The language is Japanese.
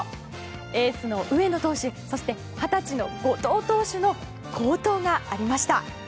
エースの上野投手そして、二十歳の後藤投手の好投がありました。